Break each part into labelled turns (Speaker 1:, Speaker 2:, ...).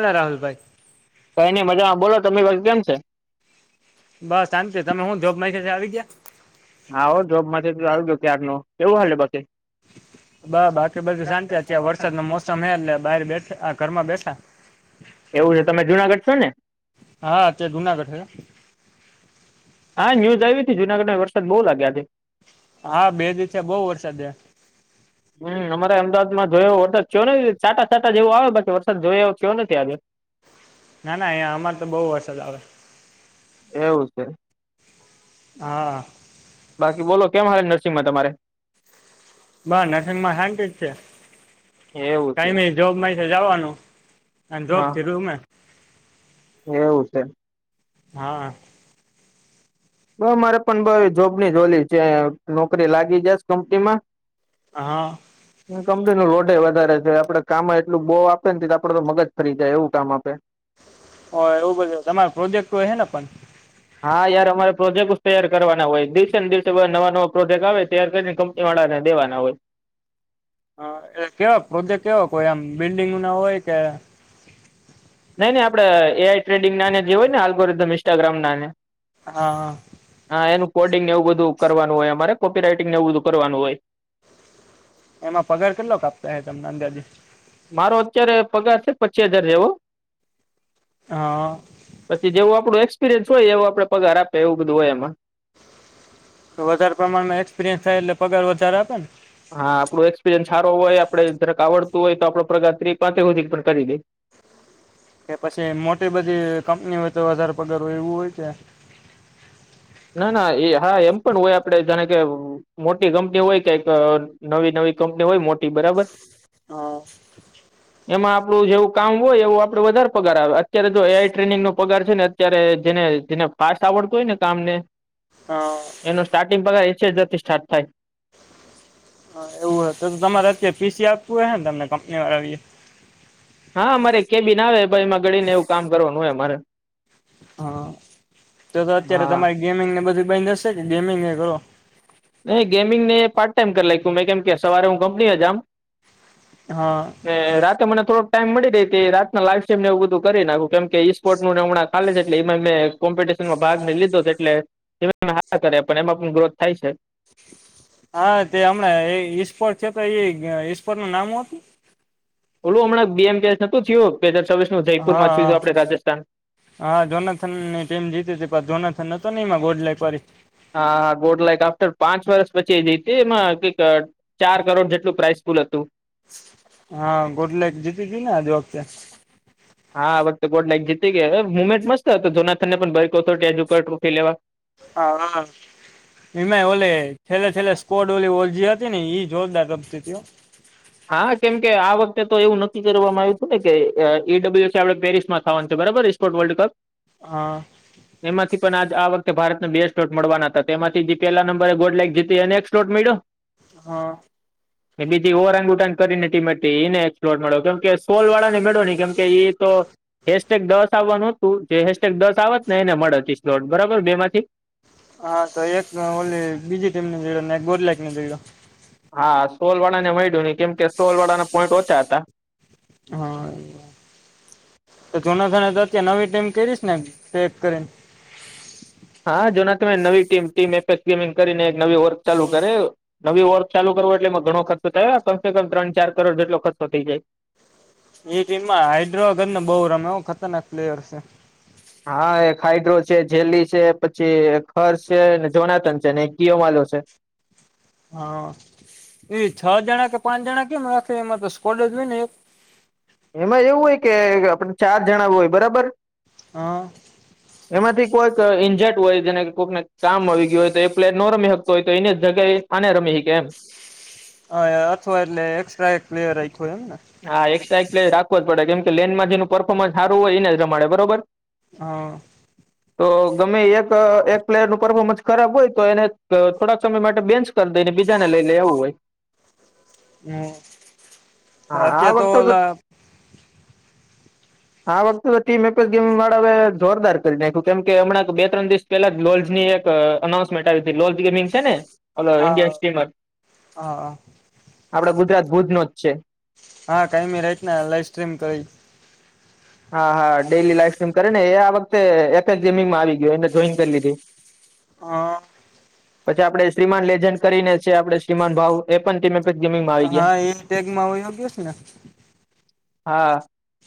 Speaker 1: ના રાહુલભાઈ
Speaker 2: ક એની મજામાં બોલો તરી વાત કેમ છે
Speaker 1: બસ શાંત તમે હું જોબ મા આવી ગયા
Speaker 2: હાો જોબ માંથી ચાલજ ક્યાર ન કેવું હલે પછી
Speaker 1: બ બાકી બધું શાંતિ ત વરસાદ ન મોસમ હ એટલે બાર બેઠ ઘરમાં બેઠા
Speaker 2: એવું છે તમે જુનાગઢ છો ને
Speaker 1: હા તે્યા જુનાગઢ
Speaker 2: હા ન્યુઝ આવી હતી જુનાગઢ માં વરસાદ બઉુ લાગ્યા
Speaker 1: હા બેદી છે બહુ વરસાદે
Speaker 2: હમ અમારે અમદાવાદમાં જોયો એવો વરસાદ થયો નથી છાટા છાટા જેવો આવે બાકી વરસાદ જોયો એવો કયો નથી આ્યો [unintelligible]
Speaker 1: ના ના અહીંયા અમાર તો બહુ વરસાદ આવે
Speaker 2: એવું છે
Speaker 1: હા
Speaker 2: બાકી બોલો કેમ હાલે નર્સિંગમાં તમારે
Speaker 1: બ નરસિં માં શાંતિ જ છે
Speaker 2: એવું છે
Speaker 1: કઈ જોબ મા છે જવાનું અને જોબ
Speaker 2: હા
Speaker 1: થલુંમે
Speaker 2: એવું છે
Speaker 1: હા
Speaker 2: બ મારે પણ બ જોબની જ ઓલી છે નોકરી લાગી જસ કંપનીમાં
Speaker 1: હા
Speaker 2: હ કમતી રોટ વધ વધારે છે આપડે કામમાં એટલું બો આપે ને આપડે તો મગજ ફરી જાય એવું કામ આપે
Speaker 1: હ એવું બધું તમારો પ્રોજેક્ટ હોય છેને પણ
Speaker 2: હા યાર અમારે પ્રોજેક્ટ જ તૈયાર કરવાના હોય દિવસેને દિવસે નવા નવા પ્રોજેક્ટ આવે તૈયાર કરીને કંપની વાળા દેવાના હોય
Speaker 1: હ એટ કેવા પ્રોજેક્ટ કેવાો કોઈ આમ બિલ્ડંગ ના હોય કે
Speaker 2: નઈ નઈ આપણે એઆઈ ટ્રેડિંગ નાને જે હોય ને હાલગોી ઇન્સ્ટાગ્રામ નાને
Speaker 1: હા હા
Speaker 2: કોડિંગ એવું બધું કરવાનું હોય અમારે કોપી રાઈટિંગને એવું બધું કરવાનું હોય
Speaker 1: એમાં પગાર કેટલો કાપતા હ તમને અંદાજ
Speaker 2: મારો અત્યારે પગાર છે પચી હજાર જેવો
Speaker 1: હા
Speaker 2: પછી જેવું આપડું એક્સપિરિયન્સ હોય એવો આપડે પગાર આપે એવું બધું હોય એમાં
Speaker 1: વધારે પ્રમાણમાં એક્સપિરિયન્સ થાય એટલે પગાર વધારે આપે ને
Speaker 2: હા આપણું એક્સપિરિયન્સ સારો હોય આપડે જરાક આવડતું હોય તો આપડ પ્રગા ત્રીિ પાંચે સુી પણ કરી દે [unintelligible]
Speaker 1: કે પછી મોટી બધી કંપની હોય તો વધારે પગાર હોય એવું હોય છે
Speaker 2: ના ના એ હા એમ પણ હોય આપડે જાણે કે મોટી કંપની હોય કક નવી નવી કંપની હોય મોટી બરાબર એમાં આપણું જેવું કામ હોય એવું આપણે વધારે પગાર આવે અત્યારે જો એઆઈ ટ્રેનિંગ નો પગાર છે ને અત્યારે જેને જેને ફાસ્ટ આવડતું હોય ને કામ ને
Speaker 1: અ
Speaker 2: એનું સ્ટાર્ટિંગ પગાર એ છેથી સ્ટાર્ટ થાય [unintelligible]
Speaker 1: એવું હોય તો તમારે અત્યારે પીસી આપવું હોય ને તમને કંપની વાળા
Speaker 2: હા મારે કે બી નાવે ભાઈમાંગળી ને એવું કામ કરવાનું હોય અરે
Speaker 1: હા તો તો અત્યારે
Speaker 2: હા
Speaker 1: તમારી ગેમિંગને બધું દસે કે ગેમિંગ એ કરો
Speaker 2: નહી ગેમિંગને પાર્ટ ટાઈમ કરી લ્યું મેં કેમ કે સવારે હું કંપનીમાં જામ
Speaker 1: હા
Speaker 2: રાતે મને થોડોક ટાઈમ મળી રહી રાતના લાગ ને એવું બધું કરી નાખ્યું કેમ કે ઈ સ્પોર્ટ નું હમણાાલે છે એલે એમાં મેં કોમ્પિટશનમાં ભાગ ઈ લીધો છે એટલે એ હા કરે પણ એમાં પણ ગ્રોથ થાય છે
Speaker 1: હા તે હમણાં ઈશ્ફોટ છે તો એ ઈશ્ફોર નું નામ હતું
Speaker 2: ઓલું હમણાં બેમનું થયયો, પે
Speaker 1: હા, હા, હા જોનાથનની ટીમ જીતી, હતી પણ જોનાથન નતો ન ગોડ લ
Speaker 2: હા, હા બોટ લક આફ્ટર પાંચ વર્ષ પછી, એ એમાં કક ચાર કરોડ જેટલું પ્રાઇસ ૂલ હતું
Speaker 1: હા, ગોટલે જીતી જય ને આજે વખતે
Speaker 2: હા, આ વખતે ગોડ લાઈક જીતી, ગયા હવે મુમેન્ટ મસ્ત હતો તો જોનાથને પણથજ ઉપરોકી લેવા
Speaker 1: હા એમાય ઓલે છેલ્લે, છેલ્લે સ્કોવડ ઓલી ઓલજી હતી, ને ઈ જોરદાર રબતી
Speaker 2: હા, કેમ કે આ વખતે, તો એવું નક્કી કરવામાં આવ્યું હતું, ને કે ઈડબલ્યુસી આપડે પેરિસ માં થવાનું છે. બરોબર, સ્પોર્ વર્લ્ડ કપ
Speaker 1: હા
Speaker 2: એમાંથી પણ, આ આ વખતે ભારતને બે સ્ટોટ મળવાના હતા, તેમાંથી જે પેલા નંબરે ગોડ લક જીતી એને એક સ્ટોટ્યો
Speaker 1: હા
Speaker 2: એ બીજી, ઓરાંગ ઉરાાંગ કરીને ટીમે એને એક્પ્લોર મળો કે સોલ વાળા, ને મેળો નહી, કેમ કે એ તો હેેશેગ દવાસ આવવાનું તું જે હેસટેગ દસ આવત, ને એને મળે હતીશ દોઢ બરાબર બે માંથી
Speaker 1: હા, તો એક ઓલી બીજી ટીમને જોઈને ને ગોડલાઈક ને જોઈરો
Speaker 2: હા, સોલ વાળા ને મળ્યું નહી, કેમ કે સોલ વાળા ના પોઈન્ટ ઓછા હતા
Speaker 1: હા તો જૂના થણે, તો અત્યારે નવી ટીમ કરીશ ને ટેક કરીને
Speaker 2: હા જોના તમે નવી ટીમ ટીમ એફેસ, ગેમિંગ કરીને એક નવી વર્ક ચાલુ કરે નવી ઓગ ચાલુ, કરવું એટલે એમાં ઘણો ખર્ચો થયો કમસે કમ ત્રણ ચાર કરોડ જેટલો ખર્ચો થઈ, જાય
Speaker 1: એ ટીમમાં હૈદરાબાદને બહુ, રમ એવું ખતરનાક પ્લેયર છે.
Speaker 2: હા, એ હાઈડ્રો છે, જેલી છે પછી હષ છે જોનાથન છે ને કિયોમાલો છે. [inaudible]
Speaker 1: હા એ છ જણા, કે પાંચ જણા, કેમ રાખે એમાં તો સ્કોડ જ હોય, ને એક
Speaker 2: એમાં એવું હોય, કે આપણે ચાર જણા હોય બરાબર
Speaker 1: હા
Speaker 2: એમાંથી કોઈક ટ હોય, જેને કોઈકને કામ આવી ગય હોય તો એ પ્લેટ ન રમી શકતો હોય, તો એની જગ્યાએ આને રમી શકે એમ
Speaker 1: હા, અથવા એટલે એકસ્ટ્રા એક પ્લેયર આખ્યો એમને
Speaker 2: હા એક્સ્ટ્રા એક પ્લેયર જ પડે કેમ કે લેનમાં, જેનું પરફોમન્સ સારું હોય, એને જ રમાડે બરોબર
Speaker 1: હા
Speaker 2: તો ગમે એક એક પ્લેયર નું પરફોર્મન્સ ખરાબ હોય, તો એને થોડાક સમય માટે બેન્ચ દઈને બીજાને, લઈ લ એવું હોય. હા આ
Speaker 1: હમત્યા, તો
Speaker 2: વખતે
Speaker 1: ઓલા
Speaker 2: આ વખતે તો ટીમ ગેમ વાળા હ, જોરદાર કરી નાખ્યું, કેમ કે હમણાં બે ત્રણ દિવસ પહેલા જ લો એક અનાઉન્સમેન્ટ આવી લો ગેમિંગ છેને. ઓ
Speaker 1: હા
Speaker 2: ઇન્ડિયન સ્ટીમ
Speaker 1: હા
Speaker 2: આપડ ગુજરાત ભુજ નો જ છે.
Speaker 1: હા, કઈ મી રહીત લાઈવ સ્ટ્રીમ કઈ
Speaker 2: હા, હા ડેલી લાઈફ સ્ટ્રીમ કરે ને આ વખતે એપેસગેમિંગમાં આવી ગયું એને જોઈન, કરી લીધી
Speaker 1: હા
Speaker 2: પછી આપડણે શ્રીમાન લેજન્ડ કરીને છે, આપડણે શ્રીમાન ભાવ એ પણ તમે
Speaker 1: હ, એ ટેગમાં યોગ્ય છેને.
Speaker 2: હા,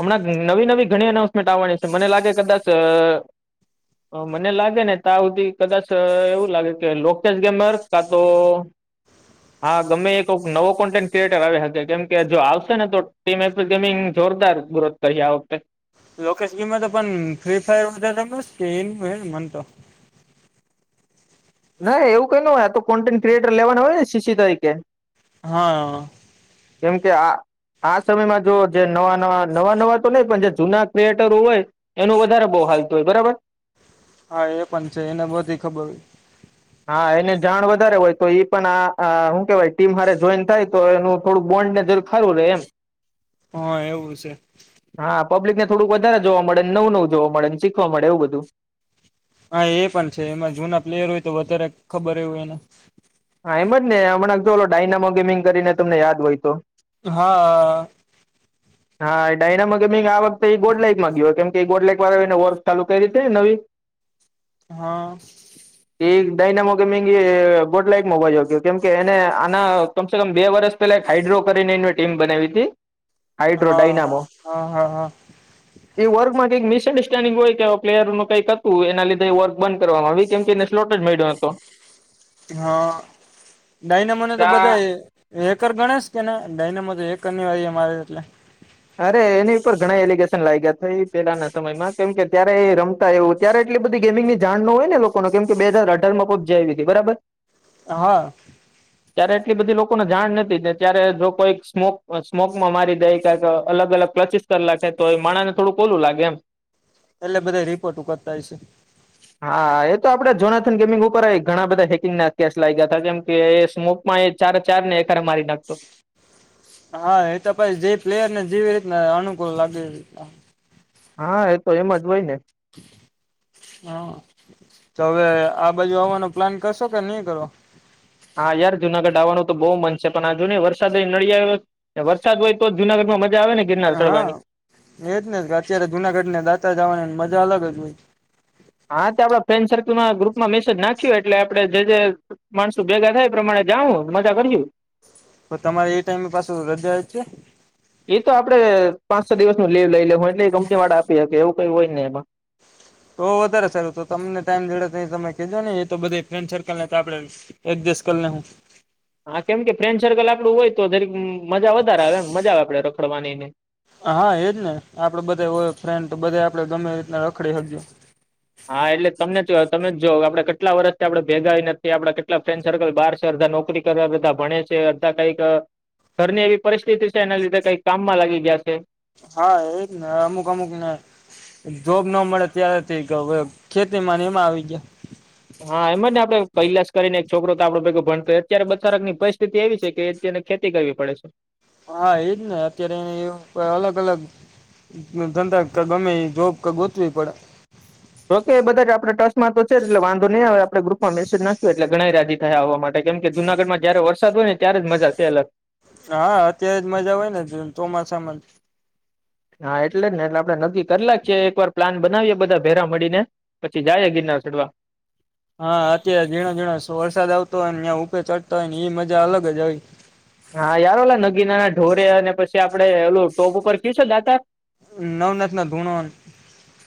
Speaker 2: હમણાં નવી, નવી ઘણી અનાઉન્સમેન્ટ આવવાની છે, મને લાગે કદાચ મને લાગે ને ત સુધી કદાચ એવું લાગે, કે લોકચાસ ગેમર કા તો હા, ગમે એક નવો કોન્ટેન્ટ ક્રિએટર આવે શકે કેમ કે જો, આવશે ને તો ટીમ એપકસ ગેમિંગ જોરદાર ગ્રોથ, કરી આ વખતે
Speaker 1: લોકેશ ગીમાં તો પણ ફ્રી ફાયર વધારે કે એનું હ મનતો
Speaker 2: ના એવું કઈ ન હોય આ તો કોન્ટેન્ટ ક્રિએટર લેવાનું હોય ને સીસી તરીકે.
Speaker 1: હા.
Speaker 2: કેમ કે આ. આ સમયમાં જો જે નવા નવા નવા નવા તો નહ પણ જે જૂના ક્રિએટરો હોય એનું વધારે બહુ હાલત હોય બરાબર.
Speaker 1: હા એ પણ છે એને બધી ખબર હો
Speaker 2: હા એને જાણ વધારે હોય તો એ પણ શું કેહેવાય ટીમ હારે જોઈન થાય તો એનું થોડું બોન્ડ ને. ખરું ર એમ
Speaker 1: હા એવું છે.
Speaker 2: થોડું વધારે જોવા મળે નવું નવું જોવા મળે એ ને શીખવા મળે એવું બધું.
Speaker 1: હા એ પણ છે એમાં જૂના પ્લેયર હોય તો વધારે ખબર એ એને
Speaker 2: એમજ ને હમણાંલો ડાયનામો ગેમિંગ કરીને તમને યાદ હોય તો.
Speaker 1: હા.
Speaker 2: હા એ ડાયનામો ગેમીગ આ વખતેે એ ગોડલાઈક માં ગયો કેમ કે ગોડલાઇક હરાવીને ઓગ ચાલુ કરાતી નવી.
Speaker 1: હા.
Speaker 2: એક ડાઈના મોઘી મેંગી હૈ [unintelligible] મંગાઈ હોત કેમ કે એને આના કમસે કમ બે વર્ષ પહેલા એક હાઈડ્રો કરીને એને ટીમ બનાવી હતી
Speaker 1: હા
Speaker 2: હાઈડ્રોડાયનામો
Speaker 1: હા હા હા
Speaker 2: એ વર્ગમાં માટે બેસ્ટ અંડરસ્ટેન્ડીંગ હોય કે પ્લેયર નું કઈક હતું એના લીધે વર્ક બન કરવામાં આવી કેમ એ સ્લોડ જ મળ્યો હતો. [inaudible]
Speaker 1: હા, ડાયનામાંને તો બધાએ એક ગણેશ કે ને ડાયનેમાં તો એક કર વા અરે એટલે.
Speaker 2: અરે એની ઉપર ઘણા એલિગેશન લાગ્યા છે એ પેલાના સમયમાં કેમ કે ત્યારે એ રમતા એવું ત્યારે એટલી બધી ગેમિંગની જાણ ન હોય ને લોકો કેમ કે બે બહઝાર અઢાર માં પજ આવી હતી બરાબર.
Speaker 1: હા.
Speaker 2: ત્યારે એટલી બધી લોકોને જાણ નથીતી ત્યારે જો કોઈક સ્મોક સ્મોકમાં મારી દે કાતો અલગ અલગ પ્ચીસ કલાક તો એ માણા ને થોડું કોલું લાગે એમ.
Speaker 1: એટલે બધા રિપોર્ટ કરતા હશે.
Speaker 2: હા એ તો આપડે જોનાથન ગેમિંગ ઉપર ઘણા બધા હેકિંગ ના કેશ લાગ્યા હતા કેમ કે એ સ્મોકમાં ચારે ચાર ને એરે મારી નાખતો
Speaker 1: હા એ તો પછી જે પ્લેયર ને જે અનુકૂળ લાગે.
Speaker 2: હા એ તો એમ જ હોય ને.
Speaker 1: [inaudible] હા તો હવે આ બાજુ આવવાનો પ્લાન કરશો કે નહી કરો.
Speaker 2: હા યાર જુનાગઢ આવવાનું તો બહુ મન છે પણ આજુ નઈ વરસાદ વરસાદ હોય તો જુનાગઢ માં મજા. આવે ને ગિરનાર
Speaker 1: હા
Speaker 2: ચડવાની
Speaker 1: એજ ને કે અત્યારે જુનાગઢને દાતા જવાની મા. અલગ જ ભ
Speaker 2: હા તો આપડા ફ્રેન્ડ સર્કલમાં ગ્રુપમાં મેસેજ નાખ્યો એટલે આપે જે જે માણસો ભેગા થાય એ પ્રમાણે. જાઉં મજા કરીએ.
Speaker 1: તો તમારે એ ટાઈમે પાછું હૃદય જ છે?
Speaker 2: એ તો આપડે પાંચ છ દિવસ નું લીવ લઈ લે વાળા આપી શ એવું. કોઈ હોય ને એમાં.
Speaker 1: તો વધારે સારું તો તમને ટાઈમ દડે સમય કજો નને એ તો બધ ફ્રેન્ડ સર્કલ ને તો આપડે ચસ કરને હું.
Speaker 2: હા કેમ કે ફ્રેન્ડ સર્કલ આપડું હોય તો દરેક મજા વધારે આવે મજા આવે આપડે રખડવાનીને.
Speaker 1: હા એજ ને આપડે બધા હોય ફ્રેન્ડ તો બધા આપડ ગમે એટલા રખડી હકીએ.
Speaker 2: હા એટલે તમને તમે જ જો આપડે કેટલા વર્ષથી આપડે ભેગા નથી આપડા કેટલા ફ્રેન્ડ સર્કલ બાર છે. બધ નોકરી કર બધા ભણે છે બધા કઈક ઘરની એવી પરિસ્થિતિ છે એના લીધે કઈક કામમાં લાગી ગયા છે.
Speaker 1: હા એ જ ને અમુક અમુકને. જોબ ના મળે ત્યારથી હવે ખેતી માં આવી ગયા.
Speaker 2: હા એમાં જ ને આપડે કૈલાસ કરીને છોકરો તો આપણા ભેગું ભણતો હો અત્યારે બચારક ની પરિસ્થિતિ એવી છે કે અને ખેતી કરવી પડે છે.
Speaker 1: હા એજ ને અત્યારે એ અલગ અલગ ધંધા તો ગમે એ જોબ તૉ ગોતવી પડે.
Speaker 2: ઓકે એ બધા આપણે ટ્રસ્ટમાં તો છે એટલે વાંધો નહીં આવે આપણે ગ્રુપમાં મેસેજ નાખ્યો એટલે ઘણા ય રાજી થાય આવવા માટે. કેમ કે જુનાગઢમાં જયારે વરસાદ હોય ને ત્યારે જ મજા છે અલગ.
Speaker 1: હા અત્યારે જ મજા હોય ને ચોમાસામાં.
Speaker 2: હા એટલે ને એટલે આપડે નક્કી કરી નાખીએ એકવાર પ્લાન બનાવીએ બધા ભેરા મળીને, પછી જાય ગી ચઢવા.
Speaker 1: હા અત્યારે ઝીનોઝીનો વરસાદ આવતો હોય ને ત્યાં ઉપર ચડતા હોય ને એ મજા અલગ જ આવી.
Speaker 2: હા યાર ઓલા નગીના નાઢોરે અને પછી આપડે ઓલું ટોપ ઉપર કીશો દાતા.
Speaker 1: નવનાથ ના ધૂણો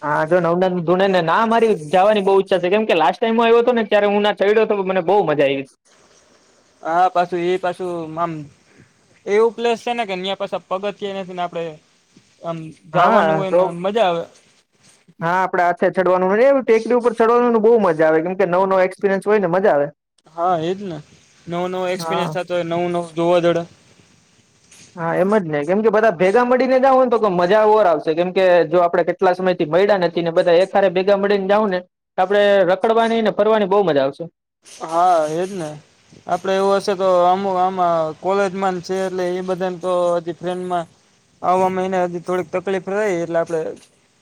Speaker 2: હા જો નવનાથ ધુણે ને ના મારી જવાની બહુ કેમ કે લાસ્ટ ટાઈમમાં આવ્યો હતો ને ત્યારે હું ના ચડ્યો હતો મને બહુ મજા આવી.
Speaker 1: હ પાછું એ પાછું આમ એવું પ્લેસ છે ને કે ત્યાં પાછુ પગથિયા નથી ને આપણે જવાનું
Speaker 2: હા
Speaker 1: હોય
Speaker 2: તો
Speaker 1: ને મજા આવે
Speaker 2: હા આપડે હાથે ચડવાનું એ ટેકરી ઉપર ચડવાનું બહુ મજા મજા આવે કેમ કે નવો નવો એસપિરયસ હોયને મજા આવે
Speaker 1: હા એજ ને નવો નવો
Speaker 2: હા
Speaker 1: એક્સપિરિયન્સ થતો નવું નવું જોવા દડે
Speaker 2: હા એમ જ નહી કેમ કે બધા ભેગા મળીને જાવ ને તો કે મજા ઓર આવશે કેમ કે જો આપણે કેટલા સમય થી મળ્યા નથી ને બધા એક સાથે ભેગા મળી ને જાઉં ને આપડે રખડવાની ને ફરવાની બહુ મજા આવશે
Speaker 1: હા એ જ ને આપડે એવું હશે તો આમુ આમાં કોલેજમાં છે એટલે એ બધા તો હજી ફ્રેન્ડમાં આવામાં એને હજી થોડીક તકલીફ રહીએટલે આપડે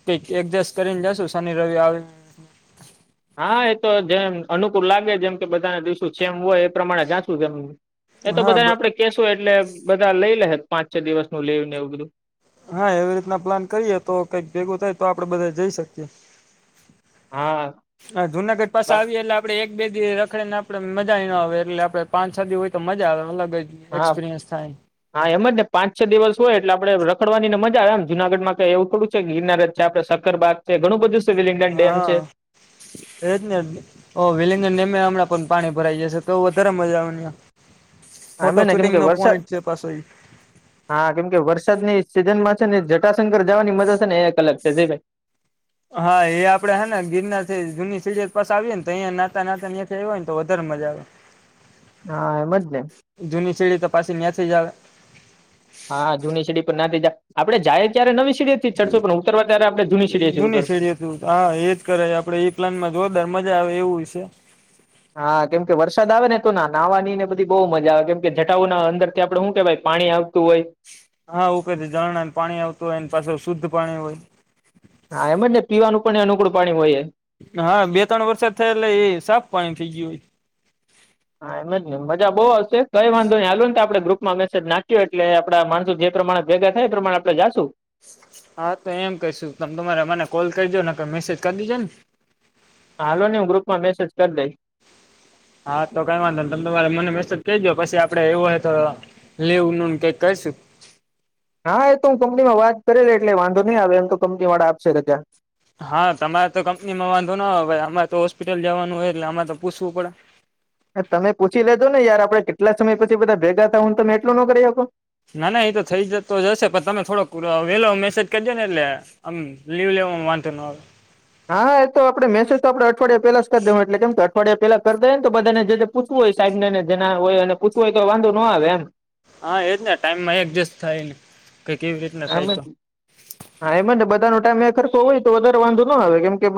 Speaker 1: કઈક એક દિવસ કરીને જશું શનિ રવિ આવી.
Speaker 2: હા એ તો જેમ અનુકૂળ લાગે જેમ કે બધાને દિવસો જેમ હોય એ પ્રમાણે જાંચું, તેમ એ તો
Speaker 1: હા
Speaker 2: બધાને આપડે કેશું એટલે બધા લઈ લેશે પાંચ છ દિવસ નું લેવ ને એવું બધું.
Speaker 1: હા એવી રીતેનો પ્લાન કરીએ તો કઈક ભેગું થાય તો આપડે બધા જઈ શકીયૅ.
Speaker 2: હા
Speaker 1: હા જુનાગઢ પાસે
Speaker 2: હા
Speaker 1: આવીએ એટલે આપડે એક બે દી રખડીે ને આપડે મજાય નો આવે એટલે આપડે પાંચ છ દી હોય તો મજા આવે અલગ જ
Speaker 2: હા,
Speaker 1: એક્સપિરિયન્સ થાય
Speaker 2: હા એમજ ને પાંચ છ દિવસ હોય એટલે આપણે રખડવાનીને મજા આવે આમ જુનાગઢ માં કઈ એવું થડું છે કે ગિરનારજ છે આપ સકરબાગ છે ઘણું બધું છે વિલિંગડન ડેમ
Speaker 1: હા,
Speaker 2: છે
Speaker 1: એજ ને વિલંગમ હમણાં પણ પાણી ભરાયઈ જશે તો વધારે મજાની.
Speaker 2: હામે ને કેમકે વરસાદ
Speaker 1: ઈ.
Speaker 2: હા કેમકે વરસાદની સિઝનમાં ને જટાશંકર જવાની મજા છે ને એક અલગ છે જય ભાઈ.
Speaker 1: હા એ આપણે હે ને ગીરના જૂની પાસ આવીએને તો અહીયા નાતા નાતાં હોયને તો વધારે મજા આવે
Speaker 2: હા એમ જ ને
Speaker 1: જૂની સીડી તો પાછી ત્યાં થી જ આવે
Speaker 2: હા જૂની સીડી પર ના જાય આપડે જાય ત્યારે નવી સીડી ચડશો પણ ઉતરવા ત્યારે આપણે જૂની સીડીએથી
Speaker 1: જુની
Speaker 2: ઉતરશું
Speaker 1: શેડી હતું હા એજ કરાય આપડે એ પ્લાન માં જોરદાર મજા આવે એવું તે
Speaker 2: હા કેમકે વરસાદ આવે ને તો ના નાહવા ની ને બધી બહુ મજા આવે કેમ કે જટા ના અંદર ત્યાં
Speaker 1: હા એક જ ઝરણા નુ પાણી આવતું હોય એ પાછુ શુદ્ધ પાણી હોય
Speaker 2: હા એમ જ ને પીવાનું પણ અનુકૂળ પાણી હોય છે
Speaker 1: હા બે ત્રણ વરસાદ થયા એટલે એ સાફ પાણી થઈ ગયું હોય.
Speaker 2: હા એમ જ ને મજા બહુ આવશે કઈ વાંધો નઈ હાલો ને તો આપણે ગ્રુપમાં મેસેજ નાખ્યો એટલે આપડા માણસો જે પ્રમાણે ભેગા થાય એ પ્રમાણે આપણે જાશું.
Speaker 1: હા તો એમ કહીશુ તમ તમારે મને કોલ કરીજોને મેસેજ કરી દેજો ને.
Speaker 2: હાલો નહી હું ગ્રુપ માં મેસેજ કરી દઈશ.
Speaker 1: હા તો કઈ વાંધો નઇ તમ તમારે મને મેસેજ કરજો પછી આપડે એવું હોય તો લેવું ન કઈક કશું.
Speaker 2: હા એ તો હું કંપનીમાં વાત કરે લે એટલે વાંધો નહી આવે એમ તો કંપની વાળા આપશે રજા
Speaker 1: હા તમારે તો કંપનીમાં વાંધો ના હોયાઈ આરે તો હોસ્પિટલ જવાનું હોય એટલે આરે તો પૂછવું પડે
Speaker 2: તમે પૂછી લેજો ને યાર આપડે કેટલા સમય પછી બધા ભેગા થાવુ હું તમે એટલું ન કરી શકો
Speaker 1: ના ના એતો થઈ જતો જ હશે પણ તમે થોડોક વેલો મેસેજ કરીજે ને એટલે આમ લીવ લે વાંધો નો આવે.
Speaker 2: હા હા એ તો આપણે મેસેજ તો આપણે અઠવાડિયા પેલા જ કરી દે એટલે કેમ કે અઠવાડિયા પેલા કર દે ને તો બધાને જે પૂછવું. સાહેબ નેને જે હોયને પૂછવું હોય તો વાંધો નો આવે એમ
Speaker 1: હા એજ ને ટાઈમમાં એડજેસ્ટ થાય ને કઈક એવી રીતના
Speaker 2: હ
Speaker 1: થાય તો.
Speaker 2: હા એમ બધાનો ટાઈમે એક હરખો હોય તો વધારે વાંધો ના આવે કેમ કે